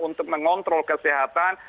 untuk mengontrol kesehatan